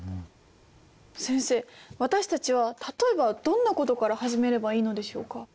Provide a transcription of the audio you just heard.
先生私たちは例えばどんなことから始めればいいのでしょうか？